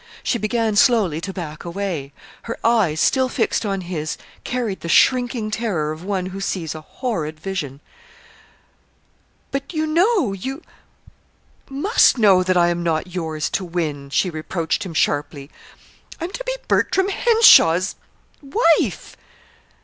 She began slowly to back away. Her eyes, still fixed on his, carried the shrinking terror of one who sees a horrid vision. "But you know you must know that I am not yours to win!" she reproached him sharply. "I'm to be Bertram Henshaw's wife."